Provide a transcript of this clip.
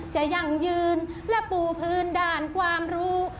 ยั่งยืนและปูพื้นด้านความรู้